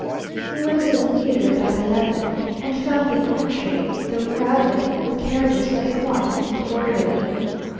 We went to the theatre about eleven, and found the entrée, though crowded with carriages, very quiet and orderly.